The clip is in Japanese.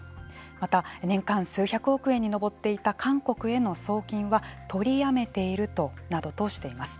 また、年間数百億円に上っていた韓国への送金は取りやめているなどとしています。